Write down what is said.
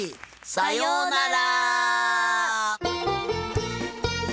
さようなら！